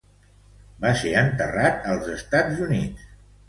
Va ser enterrat als Estats Units.